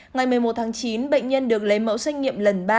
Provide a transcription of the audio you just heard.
ngày một mươi một tháng chín bệnh nhân được lấy mẫu xét nghiệm lần ba